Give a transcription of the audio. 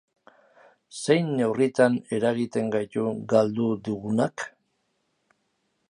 Zein neurritan eragiten gaitu galdu dugunak?